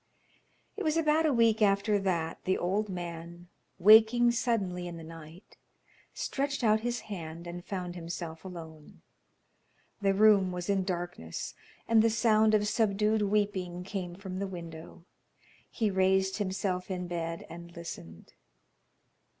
It was about a week after that the old man, waking suddenly in the night, stretched out his hand and found himself alone. The room was in darkness, and the sound of subdued weeping came from the window. He raised himself in bed and listened.